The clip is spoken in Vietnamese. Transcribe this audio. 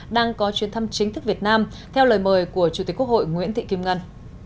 đang có chuyến thăm chính thức việt nam theo lời mời của chủ tịch quốc hội nguyễn thị kim ngân